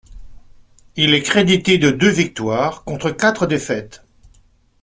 Il est crédité de deux victoires contre quatre défaites.